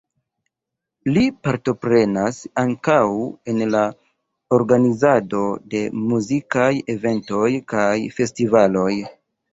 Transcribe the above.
Li partoprenas ankaŭ en la organizado de muzikaj eventoj kaj festivaloj.